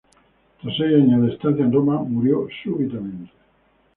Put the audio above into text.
Tras seis años de estancia en Roma murió súbitamente.